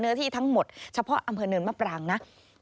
ที่ทั้งหมดเฉพาะอำเภอเนินมะปรางนะ